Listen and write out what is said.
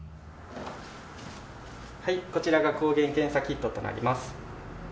こちらが抗原検査キットとなります。